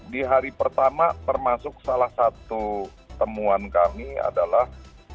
di hari pertama termasuk salah satu temuan kami adalah